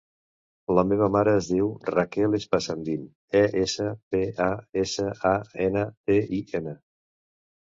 La meva mare es diu Raquel Espasandin: e, essa, pe, a, essa, a, ena, de, i, ena.